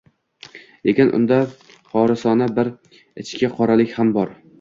Lekin unda horisona bir ichi qoralik ham bor.